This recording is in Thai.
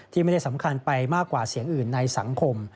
ไม่ได้สำคัญไปมากกว่าเสียงอื่นในสังคม